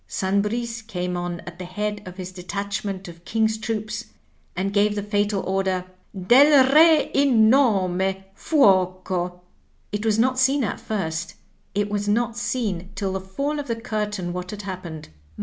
San Bris came on at the head of his detachment of King's troops and gave the fatal order, *Del Re in nome, Fuoco!' It was not seen at first, it was not seen till the fall of the curtain Vhat had happened.